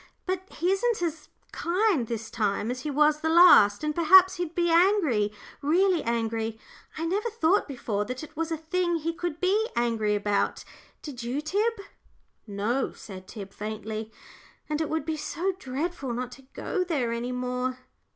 But he isn't as kind this time as he was the last, and perhaps he'd be angry, really angry. I never thought before that it was a thing he could be angry about, did you, Tib?" "No," said Tib, faintly; "and it would be so dreadful not to go there any more."